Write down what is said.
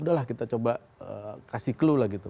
udah lah kita coba kasih clue lah gitu